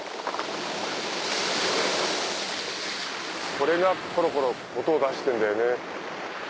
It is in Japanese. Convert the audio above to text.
これがコロコロ音を出してんだよね。